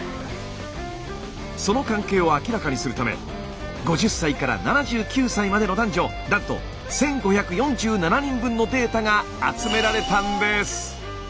その関係を明らかにするため５０歳から７９歳までの男女なんと１，５４７人分のデータが集められたんです。